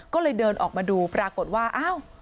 ก็เลยเดินออกมาดูปรากฏว่าอ้าว